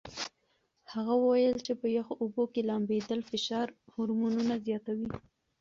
هغه وویل چې په یخو اوبو کې لامبېدل فشار هورمونونه زیاتوي.